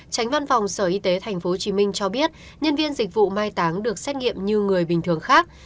tránh văn phòng sở y tế tp hcm cho biết nhân viên dịch vụ mai táng được xét nghiệm như người bình thường khác